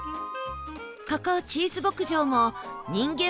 ここチーズ牧場も人間